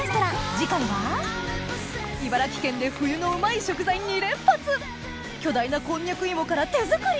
茨城県で冬のうまい食材２連発巨大なこんにゃく芋から手作り